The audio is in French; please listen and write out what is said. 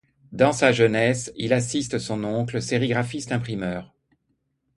Dans sa jeunesse, il assiste son oncle, sérigraphiste-imprimeur.